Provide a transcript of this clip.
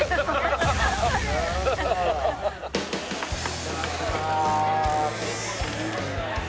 お邪魔します。